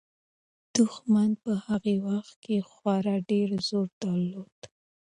دښمن په هغه وخت کې خورا ډېر زور درلود.